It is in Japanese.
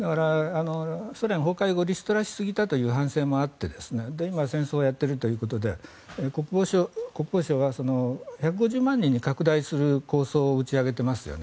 ソ連崩壊後、リストラしすぎたという反省もあって今、戦争をやっているということで国防省は１５０万人に拡大する構想を打ち上げていますよね。